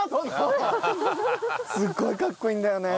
すごいかっこいいんだよね。